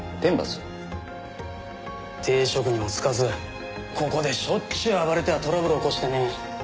定職にも就かずここでしょっちゅう暴れてはトラブル起こしてね。